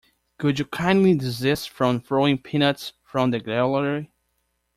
Could you kindly desist from throwing peanuts from the gallery?